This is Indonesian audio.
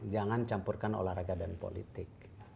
jangan campurkan olahraga dan politik